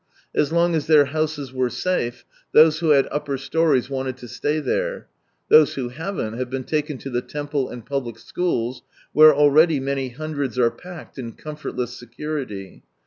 As long as their houses were safe, those who had upper storeys wanted to stay there ; those who haven't have been taken to the temple and public schools, where already many hundreds are packed in comfortless security.